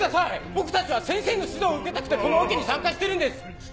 僕たちは先生の指導を受けたくてこのオケに参加してるんです！